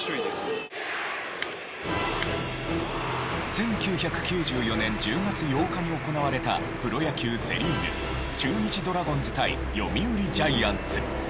１９９４年１０月８日に行われたプロ野球セ・リーグ中日ドラゴンズ対読売ジャイアンツ。